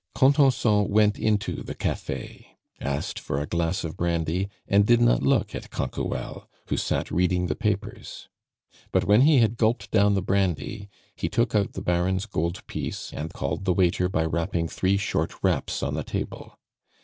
Contenson went into the cafe, asked for a glass of brandy, and did not look at Canquoelle, who sat reading the papers; but when he had gulped down the brandy, he took out the Baron's gold piece, and called the waiter by rapping three short raps on the table.